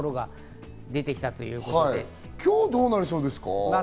今日はどうなりそうですか？